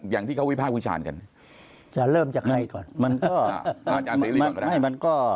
อย่างที่เขาวิพาคคุยชาญกันจะเริ่มจากใครก่อน